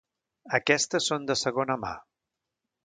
Aquestes són de segona mà.